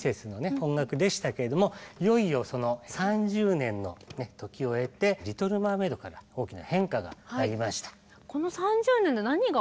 音楽でしたけれどもいよいよ３０年の時を経て「リトル・マーメイド」から大きな変化がありました。